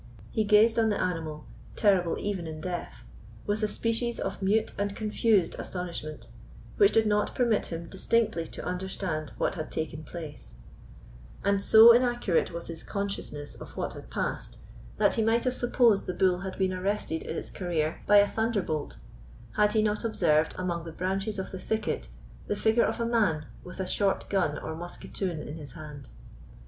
He gazed on the animal, terrible even in death, with a species of mute and confused astonishment, which did not permit him distinctly to understand what had taken place; and so inaccurate was his consciousness of what had passed, that he might have supposed the bull had been arrested in its career by a thunderbolt, had he not observed among the branches of the thicket the figure of a man, with a short gun or musquetoon in his hand.